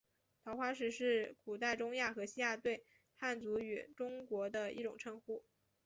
桃花石是古代中亚和西亚对汉族与中国的一种称呼。